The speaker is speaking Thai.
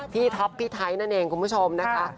ท็อปพี่ไทยนั่นเองคุณผู้ชมนะคะ